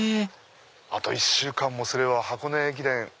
あと１週間もすれば箱根駅伝。